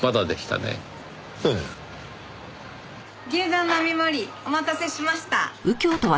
牛丼並盛お待たせしました。